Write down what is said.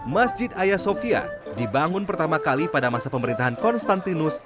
masjid ayasofya dibangun pertama kali pada masa pemerintahan konstantinus